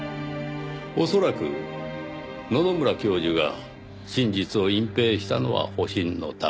恐らく野々村教授が真実を隠蔽したのは保身のため。